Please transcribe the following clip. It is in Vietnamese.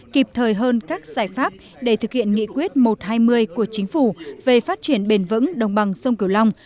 kịp thời hơn các giải pháp để thực hiện nghị quyết một trăm hai mươi của chính phủ về phát triển bền vững đồng bằng sông cửu long